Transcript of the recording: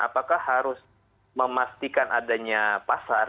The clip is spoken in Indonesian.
apakah harus memastikan adanya pasar